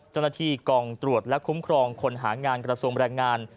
จันที่กองตรวจคุ้มครองคนหางามแรงงาน